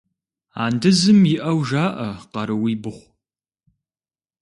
Андызым иӏэу жаӏэ къарууибгъу.